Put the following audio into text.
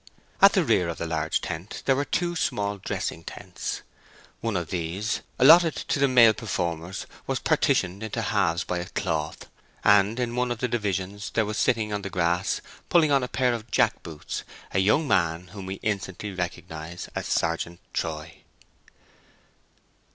At the rear of the large tent there were two small dressing tents. One of these, alloted to the male performers, was partitioned into halves by a cloth; and in one of the divisions there was sitting on the grass, pulling on a pair of jack boots, a young man whom we instantly recognise as Sergeant Troy.